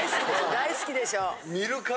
大好きでしょ？